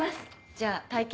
じゃあ体験